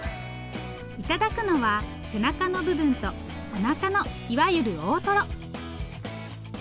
頂くのは背中の部分とおなかのいわゆる大トロ。